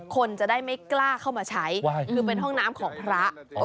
คนจะได้ไม่กล้าเข้ามาใช้คือเป็นห้องน้ำของพระ